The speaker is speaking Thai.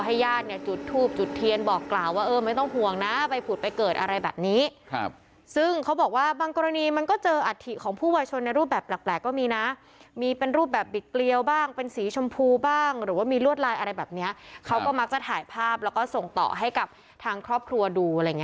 ญาติเนี่ยจุดทูบจุดเทียนบอกกล่าวว่าเออไม่ต้องห่วงนะไปผุดไปเกิดอะไรแบบนี้ครับซึ่งเขาบอกว่าบางกรณีมันก็เจออัฐิของผู้วายชนในรูปแบบแปลกก็มีนะมีเป็นรูปแบบบิดเกลียวบ้างเป็นสีชมพูบ้างหรือว่ามีลวดลายอะไรแบบเนี้ยเขาก็มักจะถ่ายภาพแล้วก็ส่งต่อให้กับทางครอบครัวดูอะไรอย่างเ